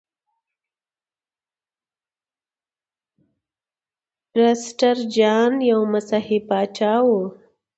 پرسټر جان یو مسیحي پاچا و.